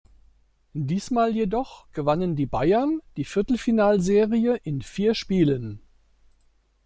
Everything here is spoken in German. Diesmal jedoch gewannen die Bayern die Viertelfinal-Serie in vier Spielen.